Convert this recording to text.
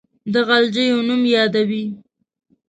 د غلجیو نوم یادوي.